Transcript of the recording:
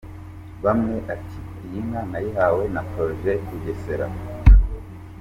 Bumwe ati: «Iyi nka nayihawe na projet Bugesera.